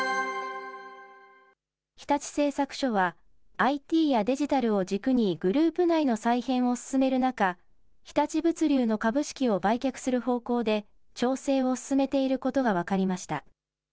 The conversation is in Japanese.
日立製作所は、ＩＴやデジタルを軸にグループ内の再編を進める中、日立物流の株式を売却する方向で、調整を進めていることが分かりました。